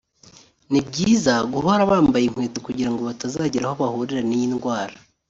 ni byiza guhora bambaye inkweto kugirango batazagira aho bahurira n’iyi ndwara